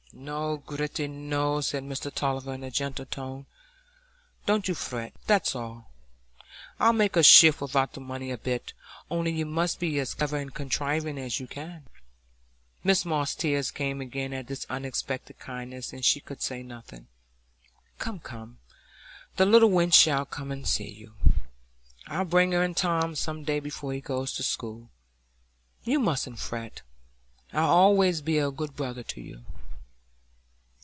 "No, Gritty, no," said Mr Tulliver, in a gentle tone. "Don't you fret,—that's all,—I'll make a shift without the money a bit, only you must be as clever and contriving as you can." Mrs Moss's tears came again at this unexpected kindness, and she could say nothing. "Come, come!—the little wench shall come and see you. I'll bring her and Tom some day before he goes to school. You mustn't fret. I'll allays be a good brother to you."